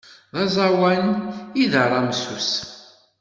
D aẓawan i d aramsu-s.